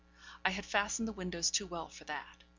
I had fastened the windows too well for that.